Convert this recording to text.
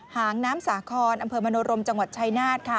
หางน้ำสาคอนอำเภอมโนรมจังหวัดชายนาฏค่ะ